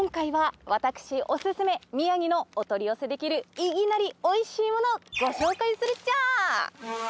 今回は私、お勧め、宮城のお取り寄せできるいきなりおいしいものご紹介するっちゃ。